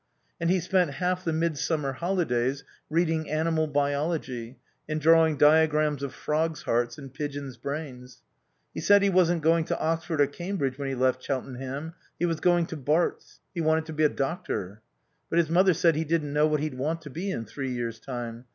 And he spent half the midsummer holidays reading Animal Biology and drawing diagrams of frogs' hearts and pigeons' brains. He said he wasn't going to Oxford or Cambridge when he left Cheltenham; he was going to Barts. He wanted to be a doctor. But his mother said he didn't know what he'd want to be in three years' time.